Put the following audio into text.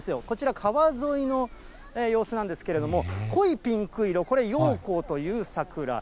こちら、川沿いの様子なんですけれども、濃いピンク色、これ、陽光という桜。